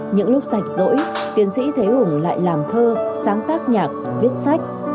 những lúc rảnh rỗi tiến sĩ thế hùng lại làm thơ sáng tác nhạc viết sách